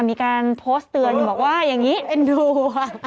มีการโพสต์เตือนบอกว่าอย่างนี้เอ็นดู